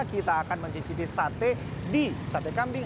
kita akan mencicipi sate di sate kambing